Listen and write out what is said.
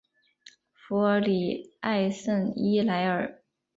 弗尔里埃圣伊莱尔。